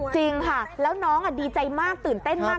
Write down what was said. จริงค่ะแล้วน้องดีใจมากตื่นเต้นมาก